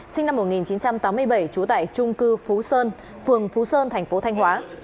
sinh năm một nghìn chín trăm tám mươi bảy trú tại trung cư phú sơn phường phú sơn thành phố thanh hóa